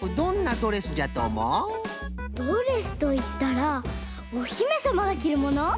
ドレスといったらおひめさまがきるもの？